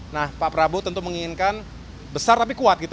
nah pak prabowo tentu menginginkan besar tapi kuat gitu